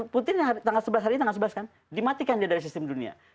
putin tanggal sebelas hari ini tanggal sebelas kan dimatikan dia dari sistem dunia